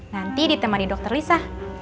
nanti ditemani dokter lisa